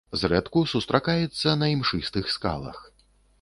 Зрэдку сустракаецца на імшыстых скалах.